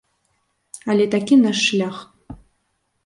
Але такі наш шлях.